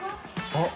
あっ！